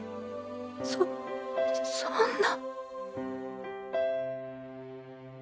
そそんな。